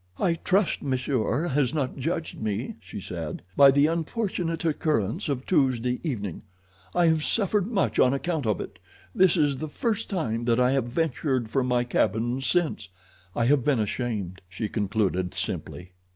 "I trust monsieur has not judged me," she said, "by the unfortunate occurrence of Tuesday evening. I have suffered much on account of it—this is the first time that I have ventured from my cabin since; I have been ashamed," she concluded simply.